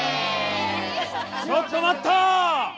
ちょっと待った！